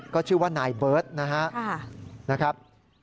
ก็ชื่อว่านายเบิร์ตนะครับ